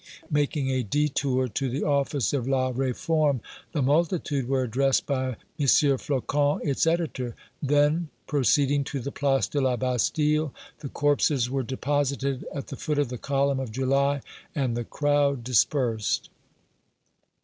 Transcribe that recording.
Making a detour to the office of "La Réforme," the multitude were addressed by M. Flocon, its editor; then, proceeding to the Place de la Bastille, the corpses were deposited at the foot of the Column of July, and the crowd dispersed.